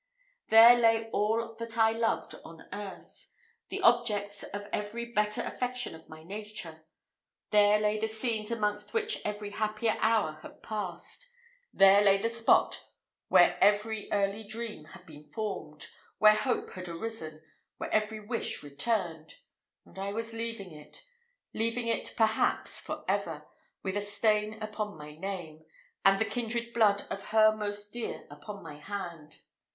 There lay all that I loved on earth, the objects of every better affection of my nature there lay the scenes amongst which every happier hour had passed there lay the spot where every early dream had been formed where hope had arisen where every wish returned; and I was leaving it leaving it, perhaps, for ever, with a stain upon my name, and the kindred blood of her most dear upon my hand.